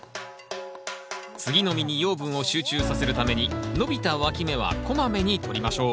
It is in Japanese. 次の実に養分を集中させるために伸びたわき芽はこまめにとりましょう。